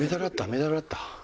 メダルあった？